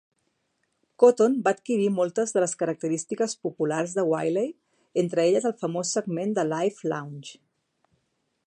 Cotton va adquirir moltes de les característiques populars de Whiley, entre elles el famós segment de Live Lounge.